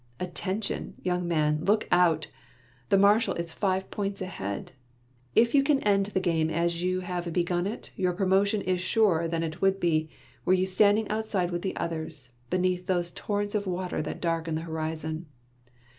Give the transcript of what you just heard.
Attention, young man, look out ! The Marshal is five points ahead. If you can end the game as you have begun it, your promotion is surer than it would be, were you standing outside with the others, beneath those torrents of water that darken the horizon.